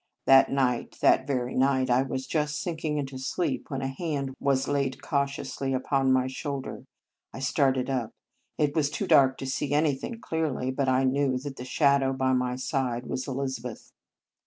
That night, that very night, I was just sinking into sleep when a hand was laid cautiously upon my shoulder. I started up. It was too dark to see anything clearly, but I knew that the shadow by my side was Elizabeth.